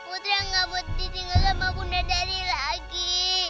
putri gak mau ditinggal sama bunda dari lagi